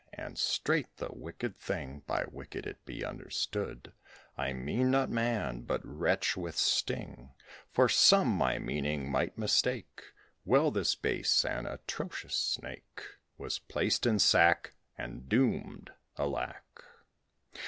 And straight the wicked thing (By wicked be it understood, I mean not Man, but wretch with sting; For some my meaning might mistake), Well, this base and atrocious Snake Was placed in sack, And doomed, alack!